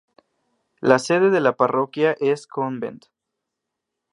La sede de la parroquia es Convent.